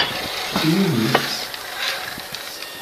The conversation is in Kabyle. Iwwumi-t?